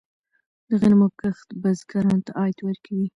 د غنمو کښت بزګرانو ته عاید ورکوي.